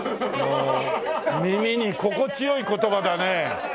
耳に心地良い言葉だね。